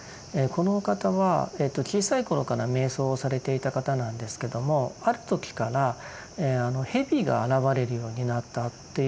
この方は小さい頃から瞑想をされていた方なんですけどもある時から蛇が現れるようになったっていうふうに言ってらっしゃいました。